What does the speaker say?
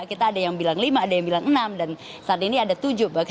kita ada yang bilang lima ada yang bilang enam dan saat ini ada tujuh